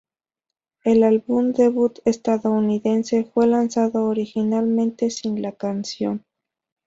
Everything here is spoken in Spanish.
El álbum debut estadounidense fue lanzado originalmente sin la canción.